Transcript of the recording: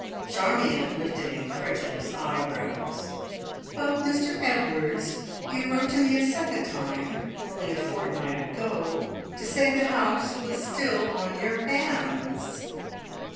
Charmion lifted incredulous eyebrows. "But, Mr Edwards, you wrote to me a second time, only a fortnight ago, to say the house was still on your hands!"